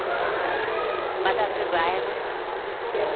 またすぐ会えます。